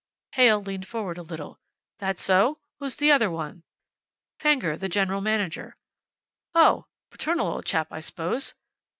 Heyl leaned forward a little. "That so? Who's the other one?" "Fenger, the General Manager." "Oh! Paternal old chap, I suppose.